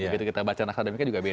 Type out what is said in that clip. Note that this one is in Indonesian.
begitu kita baca nasadamiknya juga beda